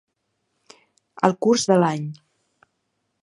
El curs de l’any.